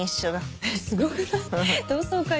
えっすごくない？